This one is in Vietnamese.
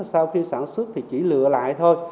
sau khi sản xuất thì chỉ lựa lại thôi